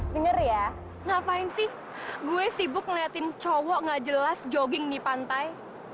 dengar ya ngapain sih gue sibuk ngeliatin cowok gak jelas jogging di pantai